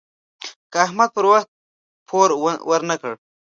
که احمد پر وخت پور ورنه کړ.